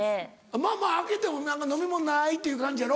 まぁまぁ開けても「何か飲み物ない？」っていう感じやろ？